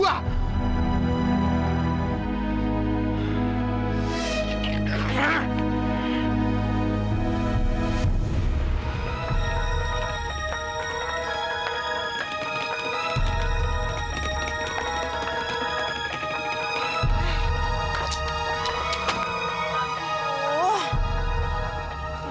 namanya dok si fadil